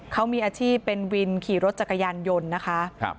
เขามีอาชีพเป็นวินขี่รถจักรยานยนต์นะคะ